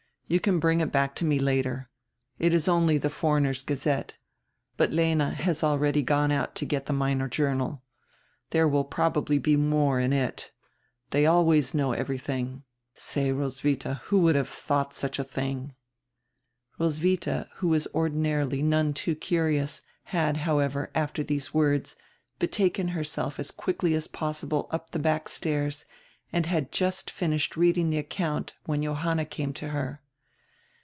You can bring it back to me later. It is only die Foreigners ' Gazette, but Lena has already gone out to get die Minor Journal. There will probably be more in it. They always know everydiing. Say, Roswidia, who would have tiiought such a tiling!" Roswidia, who was ordinarily none too curious, had, how ever, after diese w r ords betaken herself as quickly as pos sible up die back stairs and had just finished reading die account when Johanna came to her.